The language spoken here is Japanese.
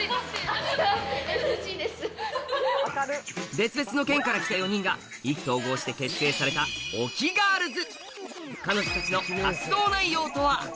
別々の県から来た４人が意気投合して結成されたＯＫＩＧＩＲＬＳ！